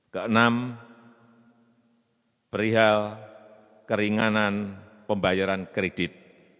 keenam perihal keringanan pembayaran kredit